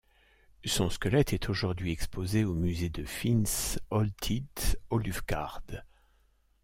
Son squelette est aujourd'hui exposé au musée de Fyns Oldtid-Hollufgärd.